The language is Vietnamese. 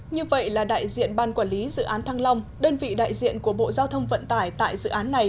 như vậy là đại diện ban quản lý dự án thăng long đơn vị đại diện của bộ giao thông vận tải tại dự án này